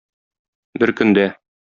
Бер көндә.